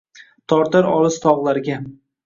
Tortar olis tog’larga.